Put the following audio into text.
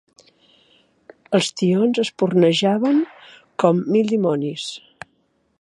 Els tions espurnejaven com mil dimonis.